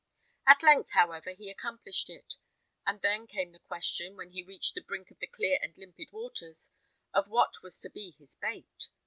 At length, however, he accomplished it. And then came the question, when he reached the brink of the clear and limpid waters, of what was to be his bait?